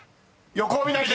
横を見ない！］